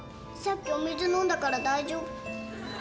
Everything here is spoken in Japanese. さっきお水飲んだから大丈夫。